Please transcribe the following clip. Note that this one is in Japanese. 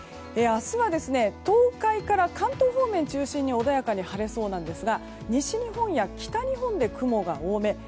明日は東海から関東方面を中心に穏やかに晴れそうなんですが西日本や北日本で雲が多め。